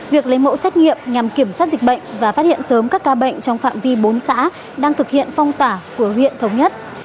việc lấy mẫu xét nghiệm nhằm kiểm soát dịch bệnh và phát hiện sớm các ca bệnh trong phạm vi bốn xã đang thực hiện phong tả của huyện thống nhất